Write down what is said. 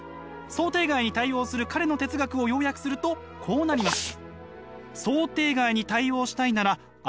想定外に対応する彼の哲学を要約するとこうなります。